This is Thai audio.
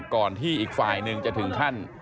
ก่อนที่อีกฝ่ายหนึ่งจะถึงขั้น